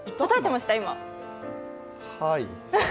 はい。